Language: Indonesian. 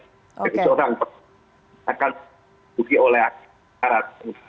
akan dikundi oleh angkatan darat